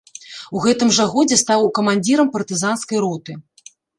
У гэтым жа годзе стаў камандзірам партызанскай роты.